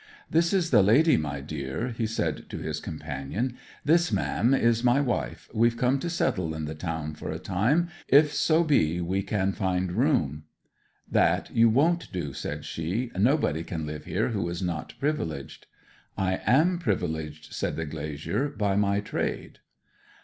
'This is the lady, my dear,' he said to his companion. 'This, ma'am, is my wife. We've come to settle in the town for a time, if so be we can find room.' 'That you won't do,' said she. 'Nobody can live here who is not privileged.' 'I am privileged,' said the glazier, 'by my trade.'